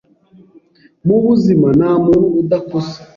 Mu buzima nta muntu udakosa